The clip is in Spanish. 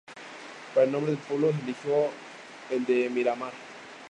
Para el nombre del pueblo se eligió el de "Mira Mar".